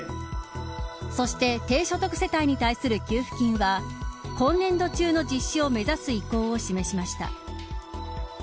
そして低所得世帯に対する給付金は今年度中の実施を目指す意向を示しました。